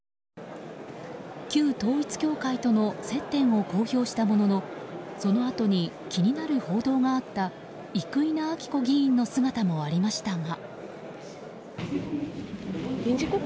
旧統一教会との接点を公表したもののそのあとに気になる報道があった生稲晃子議員の姿もありましたが。